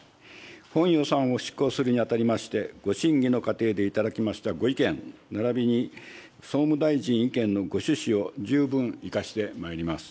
本予算を執行するにあたりまして、ご審議の過程で頂きましたご意見ならびに総務大臣意見のご趣旨を十分生かしてまいります。